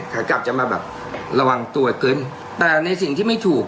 ขากลับจะมาแบบระวังตัวขึ้นแต่ในสิ่งที่ไม่ถูก